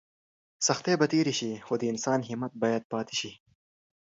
سختۍ به تېرې شي خو د انسان همت باید پاتې شي.